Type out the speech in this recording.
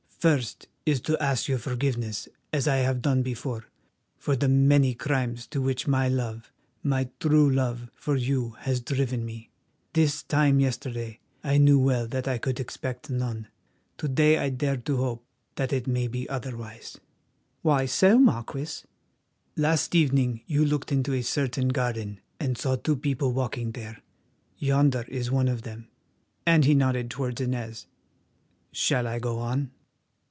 First, it is to ask your forgiveness as I have done before, for the many crimes to which my love, my true love, for you has driven me. This time yesterday I knew well that I could expect none. To day I dare to hope that it may be otherwise." "To day I dare to hope that it may be otherwise" "Why so, Marquis?" "Last evening you looked into a certain garden and saw two people walking there—yonder is one of them," and he nodded towards Inez. "Shall I go on?"